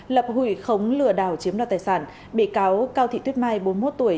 lập hủy khống lừa đảo chiếm đoạt tài sản bị cáo cao thị tuyết mai bốn mươi một tuổi